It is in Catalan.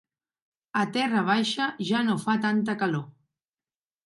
A Terra baixa ja no fa tanta calor.